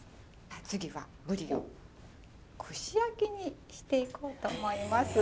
次はぶりを串焼きにしていこうと思います。